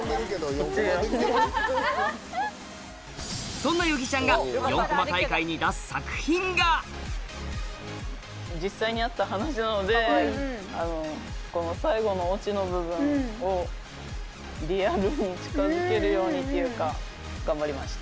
そんな與儀ちゃんが４コマ大会に出す作品が実際にあった話なのでこの最後のオチの部分をリアルに近づけるようにっていうか頑張りました。